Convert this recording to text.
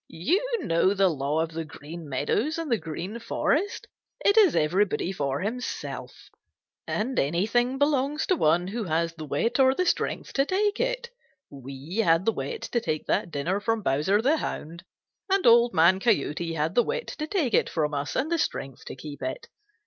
"You know the law of the Green Meadows and the Green Forest. It is everybody for himself, and anything belongs to one who has the wit or the strength to take it. We had the wit to take that dinner from Bowser the Hound, and Old Man Coyote had the wit to take it from us and the strength to keep it.